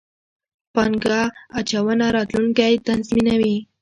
پانګه اچونه، راتلونکی تضمینوئ